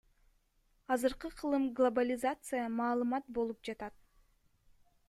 Азыркы кылым глобализация, маалымат болуп жатат.